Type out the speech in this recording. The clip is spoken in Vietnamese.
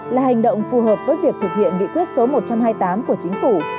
là hành động phù hợp với việc thực hiện nghị quyết số một trăm hai mươi tám của chính phủ